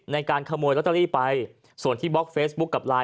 ในการขโมยลอตเตอรี่ไปส่วนที่บล็อกเฟซบุ๊คกับไลน